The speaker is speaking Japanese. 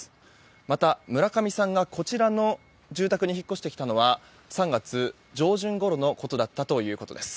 また、村上さんがこちらの住宅に引っ越してきたのは３月上旬ごろのことだったということです。